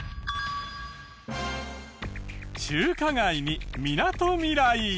中華街にみなとみらい。